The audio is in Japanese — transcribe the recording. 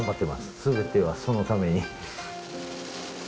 すべてはそのために。